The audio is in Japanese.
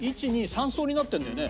１２３層になってるんだよね。